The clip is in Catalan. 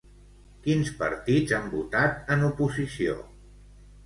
Quins partits han votat en oposició?